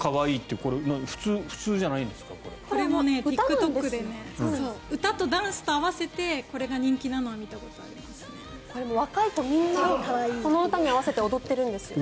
これもＴｉｋＴｏｋで歌とダンスと合わせてこれが人気なのを見たことがありますね。